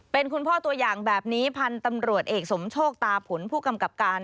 เป็นคุณพ่อตัวอย่างแบบนี้พันธุ์ตำรวจเอกสมโชคตาผลผู้กำกับการ